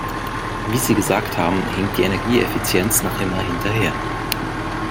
Wie Sie gesagt haben, hinkt die Energieeffizienz noch immer hinterher.